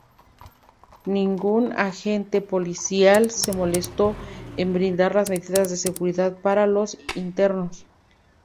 Ningún agente policial se molestó en brindar las medidas de seguridad para los internos.